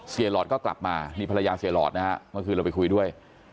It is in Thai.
หลอดก็กลับมานี่ภรรยาเสียหลอดนะฮะเมื่อคืนเราไปคุยด้วย